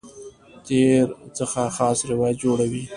تېر څخه خاص روایت جوړوي.